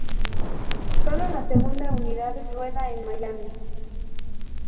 Sólo la segunda unidad rueda en Miami.